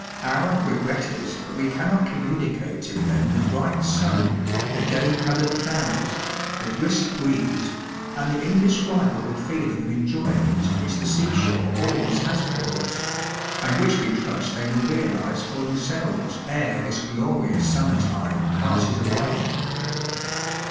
Our regret is that we cannot communicate to them the bright sun, the gay coloured flowers, the brisk breeze, and the indescribable feeling of enjoyment which the sea^shore always has for us, aud which we trust they will reaUae for themselves ere this glorious summer tide passes away.